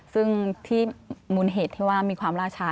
ซึ่งที่มูลเหตุที่ว่ามีความล่าช้า